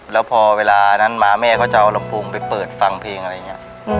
แล้วพอเวลานั้นมาแม่เขาจะเอาลำโพงไปเปิดฟังเพลงอะไรอย่างนี้